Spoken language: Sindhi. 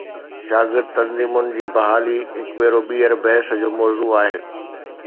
شاگرد تنظيمن جي بحالي هڪ ڀيرو ٻيهر بحث جو موضوع آهي.